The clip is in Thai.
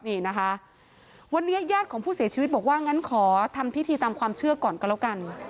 นี่นะคะวันนี้ญาติของผู้เสียชีวิตบอกว่างั้นขอทำพิธีตามความเชื่อก่อนก็แล้วกัน